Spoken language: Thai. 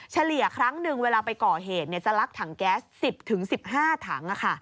เฉลี่ยครั้งหนึ่งเวลาไปก่อเหตุจะลักถังแก๊ส๑๐๑๕ถัง